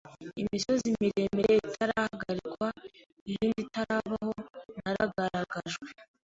Imisozi miremire itarahagarikwa, iyindi itarabaho, naragaragajwe.